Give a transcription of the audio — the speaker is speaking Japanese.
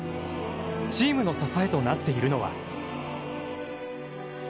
チームの支えとなっているのは。